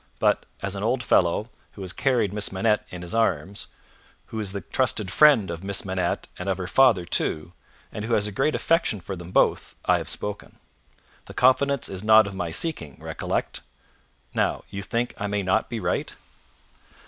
But, as an old fellow, who has carried Miss Manette in his arms, who is the trusted friend of Miss Manette and of her father too, and who has a great affection for them both, I have spoken. The confidence is not of my seeking, recollect. Now, you think I may not be right?"